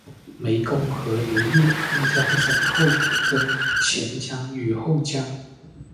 湄公河流入安江省后分前江与后江。